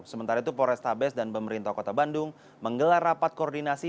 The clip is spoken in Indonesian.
sementara itu polrestabes dan pemerintah kota bandung menggelar rapat koordinasi